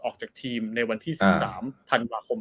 ออกจากทีมในวันที่๑๓ธันวาคม